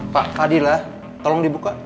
pak adila tolong dibuka